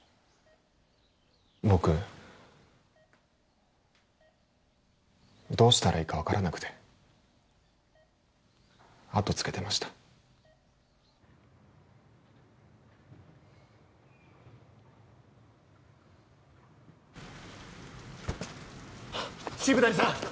僕どうしたらいいか分からなくてあとつけてました渋谷さん！